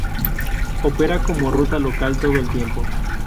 Opera como ruta local todo el tiempo.